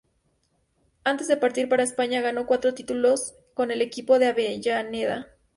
Antes de partir para España, ganó cuatro títulos con el equipo de Avellaneda.